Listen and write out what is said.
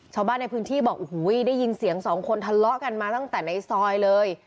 ชาวบ้านในพื้นที่บอกโอ้โหได้ยินเสียงสองคนทะเลาะกันมาตั้งแต่ในซอยเลย